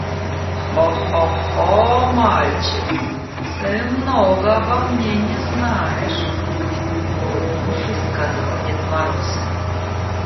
«Хо-хо-хо, мальчик, ты много обо мне не знаешь», — улыбнувшись, сказал Дед Мороз.